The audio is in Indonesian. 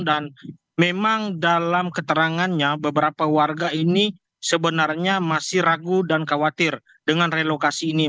dan memang dalam keterangannya beberapa warga ini sebenarnya masih ragu dan khawatir dengan relokasi ini